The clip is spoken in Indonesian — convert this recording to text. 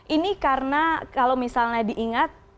ini karena kalau misalnya diingat